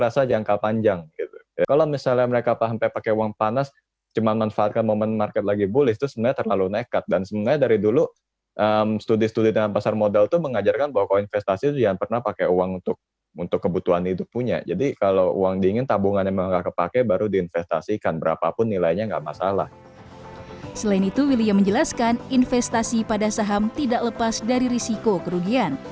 selain itu william menjelaskan investasi pada saham tidak lepas dari risiko kerugian